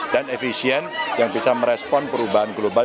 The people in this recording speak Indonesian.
dan efisien yang bisa merespon perubahan global